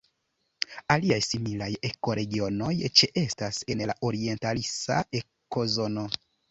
Aliaj similaj ekoregionoj ĉeestas en la orientalisa ekozono.